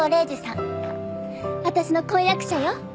私の婚約者よ。